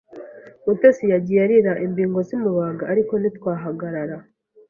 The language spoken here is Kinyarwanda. Mutesi yagiye arira imbingo zimubaga ariko ntitwahagarara